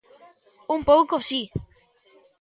Un pouco, si.